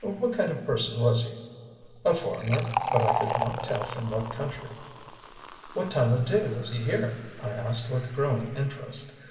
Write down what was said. "What kind of person was he?" "A foreigner, but I could not tell from what country." "What time of day was he here?" I asked, with growing interest.